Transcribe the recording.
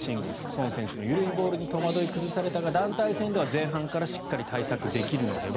ソン選手の緩いボールに戸惑い崩されたが団体戦では前半戦からしっかり対策できるのでは。